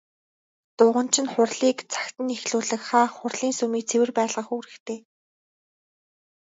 Дуганч нь хурлыг цагт нь эхлүүлэх, хаах, хурлын сүмийг цэвэр байлгах үүрэгтэй.